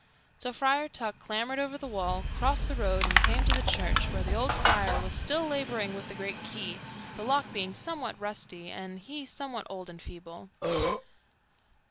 So Friar Tuck clambered over the wall, crossed the road, and came to the church, where the old friar was still laboring with the great key, the lock being somewhat rusty and he somewhat old and feeble.